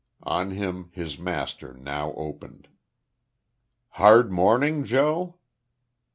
On him his master now opened. "Hard morning, Joe?"